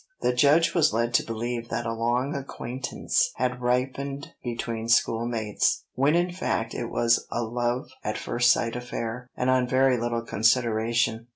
The Judge was led to believe that a long acquaintance had ripened between schoolmates, when in fact it was a love at first sight affair, and on very little consideration.